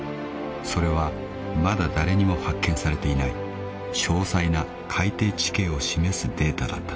［それはまだ誰にも発見されていない詳細な海底地形を示すデータだった］